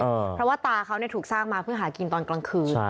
เพราะว่าตาเขาถูกสร้างมาเพื่อหากินตอนกลางคืน